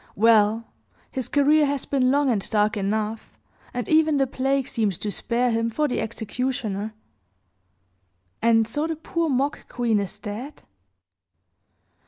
Well, his career has been long and dark enough, and even the plague seemed to spare him for the executioner. And so the poor mock queen is dead?